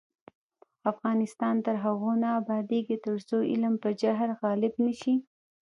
افغانستان تر هغو نه ابادیږي، ترڅو علم پر جهل غالب نشي.